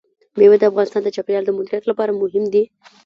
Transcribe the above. مېوې د افغانستان د چاپیریال د مدیریت لپاره مهم دي.